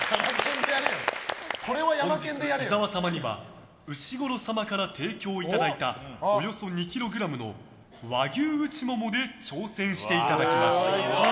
本日、伊沢様にはうしごろ様から提供いただいたおよそ２ｋｇの和牛うちももで挑戦していただきます。